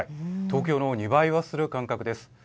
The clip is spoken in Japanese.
東京の２倍はする感覚です。